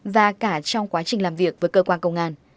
và cả trong quá trình làm việc với cơ quan công an